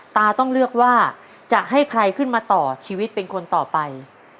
ตาต้องเลือกว่าจะให้ใครขึ้นมาต่อชีวิตเป็นคนต่อไป